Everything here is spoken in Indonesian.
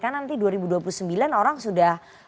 karena nanti dua ribu dua puluh sembilan orang sudah